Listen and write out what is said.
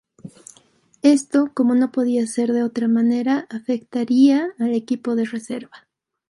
Esto, como no podía ser de otra manera, afectaría al equipo de reserva.